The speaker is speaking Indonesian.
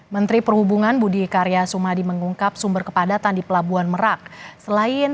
menteri perhubungan budi karya sumadi mengungkap sumber kepadatan di pelabuhan merak selain